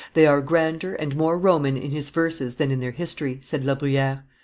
"They are grander and more Roman in his verses than in their history," said La Bruyere.